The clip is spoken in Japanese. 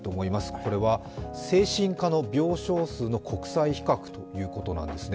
これは精神科の病床数の国際比較ということなんですね。